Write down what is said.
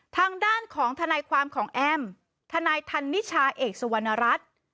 ทางด้านของทนายความของแอ้มทนายธันนิชาเอกสุวรรณรัฐ